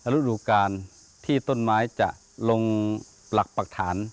ฤดูการที่ต้นไม้จะลงหลักปรักฐาน